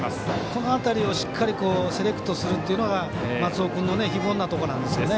この辺りをしっかりセレクトするというのが松尾君の非凡なところなんですよね。